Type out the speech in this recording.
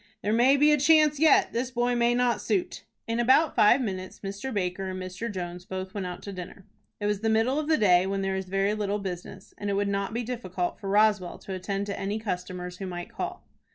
"There may be a chance yet. This boy may not suit." In about five minutes Mr. Baker and Mr. Jones both went out to dinner. It was the middle of the day, when there is very little business, and it would not be difficult for Roswell to attend to any customers who might call.